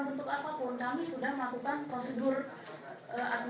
untuk pijatan hotel